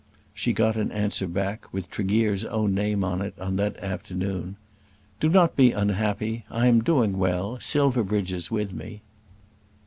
She got an answer back, with Tregear's own name to it, on that afternoon. "Do not be unhappy. I am doing well. Silverbridge is with me."